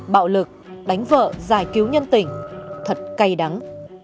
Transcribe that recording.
bạo lực đánh vợ giải cứu nhân tỉnh thật cay đắng